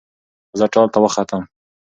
زه ټال ته وختم